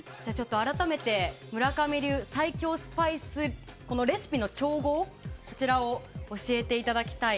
改めて村上流最強スパイスのレシピの調合をこちらを教えていただきたい。